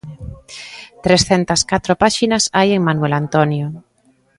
Trescentas catro páxinas hai en Manuel Antonio.